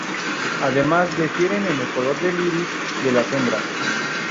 Además difieren en el color del iris de las hembras.